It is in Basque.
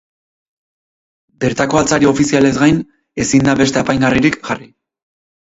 Bertako altzari ofizialez gain ezin da beste apaingarririk jarri.